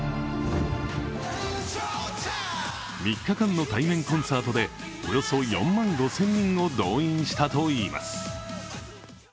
３日間の対面コンサートでおよそ４万５０００人を動員したといいます。